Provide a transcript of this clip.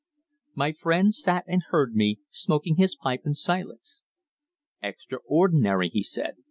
My friend sat and heard me, smoking his pipe in silence. "Extraordinary!" he said.